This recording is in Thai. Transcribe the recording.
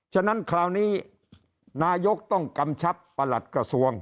ฉะนั้นคราวนี้นายกต้องกำชับประหลัดกระทรวง